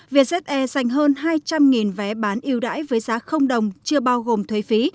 vietjet air dành hơn hai trăm linh vé bán yêu đãi với giá đồng chưa bao gồm thuế phí